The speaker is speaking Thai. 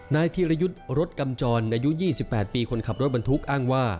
นายธีรยุทธ์รถกำจรอายุ๒๘ปีคนขับรถบรรทุกอ้างว่า